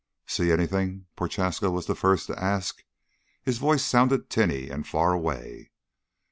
"See anything?" Prochaska was the first to ask. His voice sounded tinny and far away.